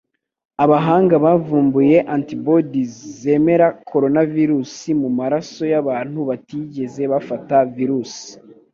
Abahanga bavumbuye antibodies zemera koronavirusi mu maraso yabantu batigeze bafata virusi.